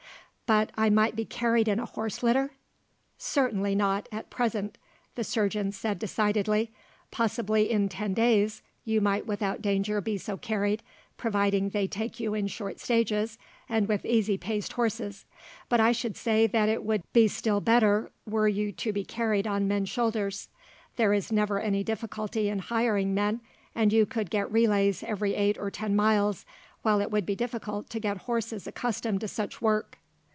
"But I might be carried in a horse litter?" "Certainly not, at present," the surgeon said decidedly. "Possibly, in ten days, you might without danger be so carried, providing they take you in short stages and with easy paced horses; but I should say that it would be still better, were you to be carried on men's shoulders. There is never any difficulty in hiring men, and you could get relays every eight or ten miles, while it would be difficult to get horses accustomed to such work."